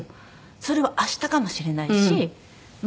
それは明日かもしれないしま